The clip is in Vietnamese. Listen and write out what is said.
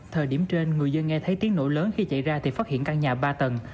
thời điểm trên người dân nghe thấy tiếng nổ lớn khi chạy ra thì phát hiện căn nhà ba tầng